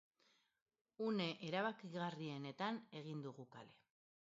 Une erabakigarrienetan egin dugu kale.